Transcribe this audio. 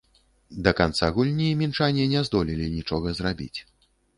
Да канца гульні мінчане не здолелі нічога зрабіць.